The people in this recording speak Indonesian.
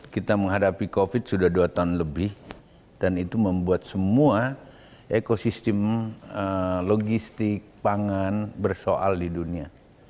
kita menghadapi covid sudah dua tahun lebih dan itu membuat semua ekosistem logistik pangan bersoal di dunia